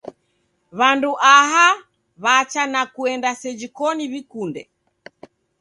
W'andu aha w'acha na kuenda seji koni w'ikunde.